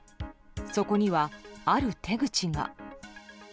そこにはある手口が。